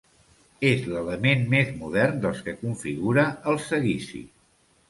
És l'element més modern dels que configura el Seguici.